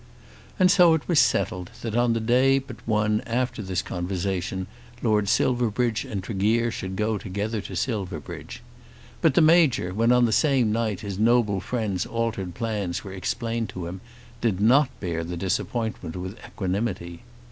And so it was settled, that on the day but one after this conversation Lord Silverbridge and Tregear should go together to Silverbridge. But the Major, when on the same night his noble friend's altered plans were explained to him, did not bear the disappointment with equanimity.